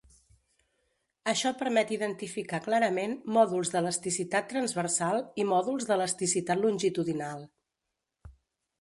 Això permet identificar clarament mòduls d'elasticitat transversal i mòduls d'elasticitat longitudinal.